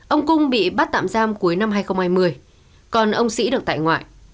ông cung bị bắt tạm giam cuối năm hai nghìn hai mươi còn ông sĩ được tại ngoại